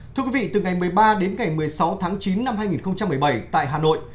thưa quý vị từ ngày một mươi ba đến ngày một mươi sáu tháng chín năm hai nghìn một mươi bảy tại hà nội